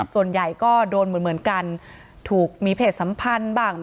ส่วนใหญ่ก็โดนเหมือนกันถูกมีเพศสัมพันธ์บ้าง